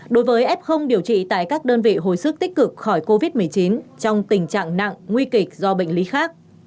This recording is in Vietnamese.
đối với f điều trị tại các đơn vị hồi sức tích cực khỏi covid một mươi chín trong tình trạng nặng nguy kịch do bệnh lý khác